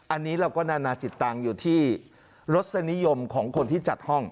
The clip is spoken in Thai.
อันนี้เราก็นานาจิตตังค์อยู่ที่รสนิยมของคนที่จัดห้อง